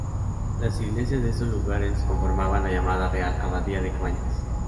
Las iglesias de estos lugares conformaban la llamada Real Abadía de Cabañas.